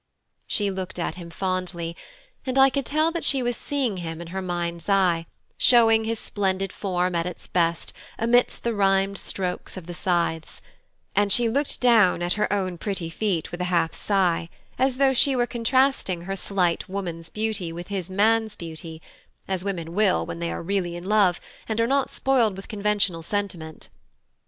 She looked at him fondly, and I could tell that she was seeing him in her mind's eye showing his splendid form at its best amidst the rhymed strokes of the scythes; and she looked down at her own pretty feet with a half sigh, as though she were contrasting her slight woman's beauty with his man's beauty; as women will when they are really in love, and are not spoiled with conventional sentiment.